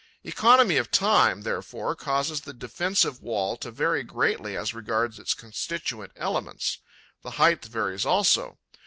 Economy of time, therefore, causes the defensive wall to vary greatly as regards its constituent elements. The height varies also.